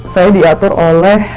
saya diatur oleh